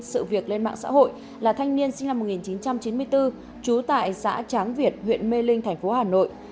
sự việc lên mạng xã hội là thanh niên sinh năm một nghìn chín trăm chín mươi bốn trú tại xã tráng việt huyện mê linh thành phố hà nội